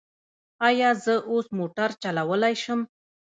ایا زه اوس موټر چلولی شم؟